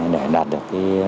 để đạt được